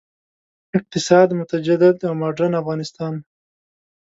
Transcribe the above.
اقتصاد، متجدد او مډرن افغانستان.